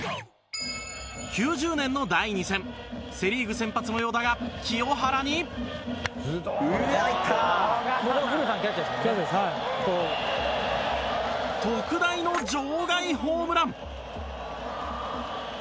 ９０年の第２戦セ・リーグ先発の与田が清原に特大の場外ホームラン！